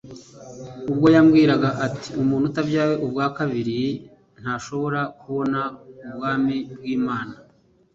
ubwo yamubwiraga ati, “Umuntu utabyawe ubwa kabiri ntabasha kubona ubwami bw”Imana